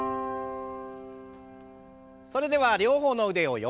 それでは両方の腕を横。